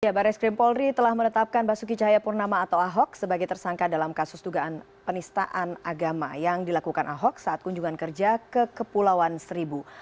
baris krim polri telah menetapkan basuki cahayapurnama atau ahok sebagai tersangka dalam kasus dugaan penistaan agama yang dilakukan ahok saat kunjungan kerja ke kepulauan seribu